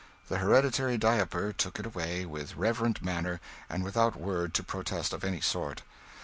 The Hereditary Diaperer took it away with reverent manner, and without word or protest of any sort.